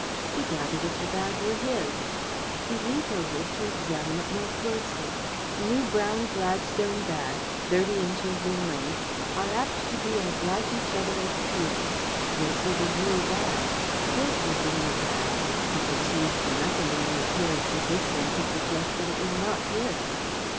He doubted if the bag were his. He leant over it to examine it more closely. New brown Gladstone bags, thirty inches in length, are apt to be as like each other as peas. This was a new bag, his was a new bag he perceived nothing in the appearance of this one to suggest that it was not his.